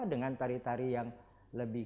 dengan tari tari yang lebih